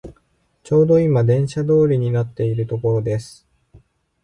ちょうどいま電車通りになっているところです